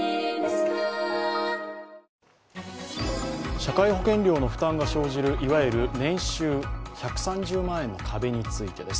社会保険料の負担が生じる、いわゆる年収１３０万円の壁についてです。